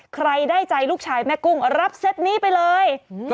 ใครได้ใจลูกชายแม่กุ้งรับเซตนี้ไปเลย